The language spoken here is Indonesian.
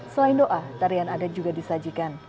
selain doa tarian adat juga disajikan